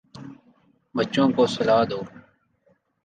بچوں کو سلا دو